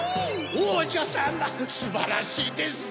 おうじょさますばらしいですぞ！